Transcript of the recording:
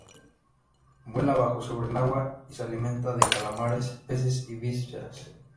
Vuela bajo sobre el agua y se alimenta de calamares, peces y vísceras.